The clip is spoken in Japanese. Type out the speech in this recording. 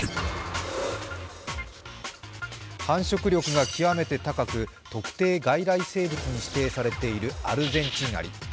繁殖力が極めて高く、特定外来生物に指定されているアルゼンチンアリ。